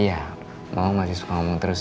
iya mama masih suka ngomong terus ya